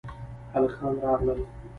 هلکان راغل